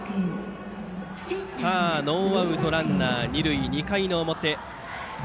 ノーアウトランナー、二塁２回表。